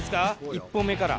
１歩目から。